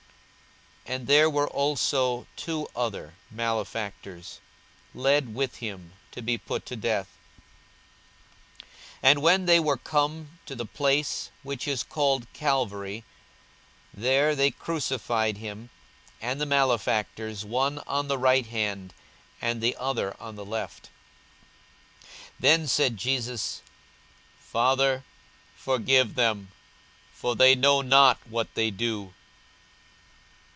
42:023:032 And there were also two other, malefactors, led with him to be put to death. 42:023:033 And when they were come to the place, which is called Calvary, there they crucified him, and the malefactors, one on the right hand, and the other on the left. 42:023:034 Then said Jesus, Father, forgive them; for they know not what they do.